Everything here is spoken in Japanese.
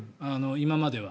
今までは。